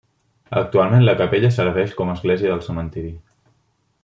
Actualment la capella serveix com a església del cementiri.